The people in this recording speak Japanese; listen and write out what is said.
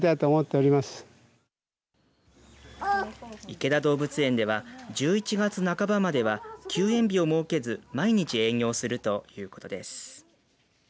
池田動物園では１１月半ばまでは休園日を設けず毎日営業するということです。